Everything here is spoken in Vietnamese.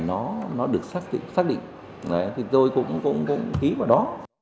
nó được xác định xác định rồi cũng ký vào đó